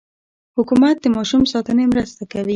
حکومت د ماشوم ساتنې مرسته کوي.